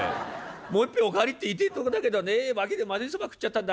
もう一杯お代わりって言いてえとこだけどねワキでまずいそば食っちゃったんだ。